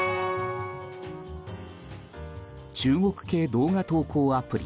中国系動画投稿アプリ